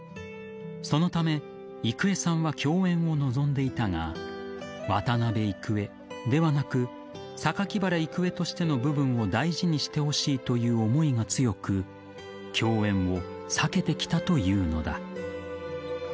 そのため、郁恵さんは共演を望んでいたが渡辺郁恵ではなく榊原郁恵としての部分を大事にしてほしいという思いが強く共演を避けてきたというのだ。